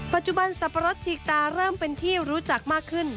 ปัจจุบันสับปะรดฉีกตาเริ่มเป็นที่รู้จักมากขึ้น